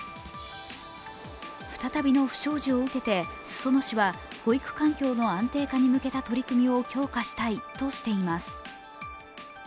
再びの不祥事を受けて、裾野市は保育環境の安定化に向けた取り組みを強化したいとしています。